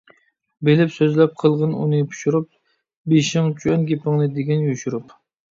بىلىپ سۆزلەپ، قىلغىن ئۇنى پىشۇرۇپ، بېشىڭچۈن گېپىڭنى دېگىن يوشۇرۇپ.